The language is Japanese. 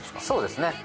そうですね